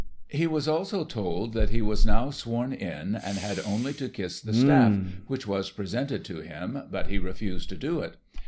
He was also told that he was now sworn in, and had only to kiss the staff, which was presented to him, but he refused to do it.